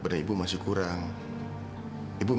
terima kasih pak